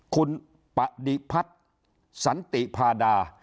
คุณปดิพัฒน์สันติพาดา